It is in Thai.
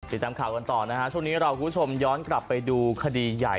ติดตามข่าวกันต่อนะฮะช่วงนี้เราคุณผู้ชมย้อนกลับไปดูคดีใหญ่